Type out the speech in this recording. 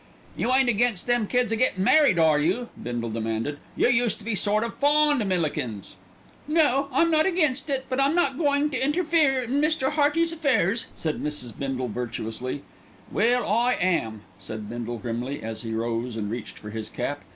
"You ain't against them kids a gettin' married, are you?" Bindle demanded. "You used to be sort of fond of Millikins." "No! I'm not against it; but I'm not goin' to interfere in Mr. Hearty's affairs," said Mrs. Bindle virtuously. "Well, I am," said Bindle grimly, as he rose and reached for his cap.